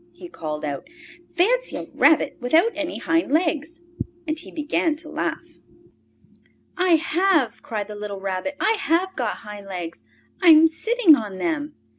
he called out. "Fancy a rabbit without any hind legs!" And he began to laugh. "I have!" cried the little Rabbit. "I have got hind legs! I am sitting on them!"